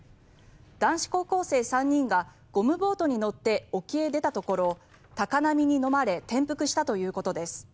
男子高校生３人がゴムボートに乗って沖へ出たところ高波にのまれ転覆したということです。